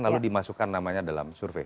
lalu dimasukkan namanya dalam survei